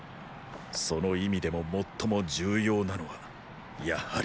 その意味でも最も重要なのはやはり。